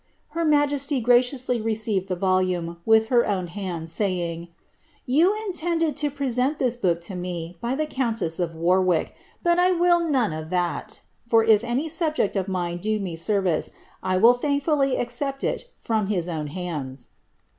' Her majesty graciously received the volume, with her own hand, saying, ^' Tou in tended to present this book to me by the countess of Warwick, but I will none of that, for if any subject of mine do me a service, I will thank fully accept it from his own hands."